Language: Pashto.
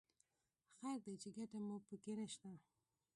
خیر دی چې ګټه مو په کې نه شته.